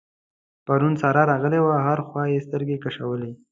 پرون سارا راغلې وه؛ هره خوا يې سترګې کشولې.